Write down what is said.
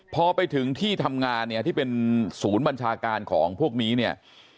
พอไปถึงที่ทำงานที่เป็นศูนย์บัญชาการของพวกนี้